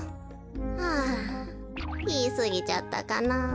はぁいいすぎちゃったかな。